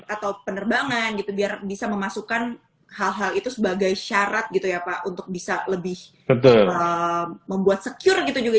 atau penerbangan biar bisa memasukkan hal hal itu sebagai syarat untuk bisa lebih membuat secure